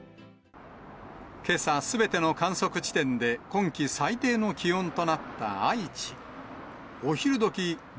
けさ、すべての観測地点で今季最低の気温となった愛知。